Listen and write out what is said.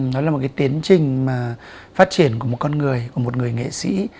nó là một cái tiến trình mà phát triển của một con người của một người nghệ sĩ